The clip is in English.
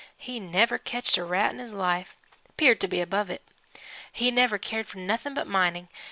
He never ketched a rat in his life 'peared to be above it. He never cared for nothing but mining.